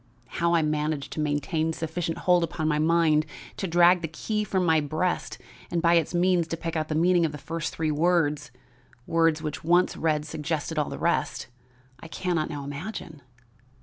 "How I managed to maintain sufficient hold upon my mind to drag the key from my breast and by its means to pick out the meaning of the first three words words which once read suggested all the rest I can not now imagine.